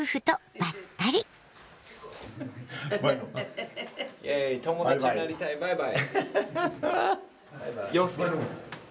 バイバイ。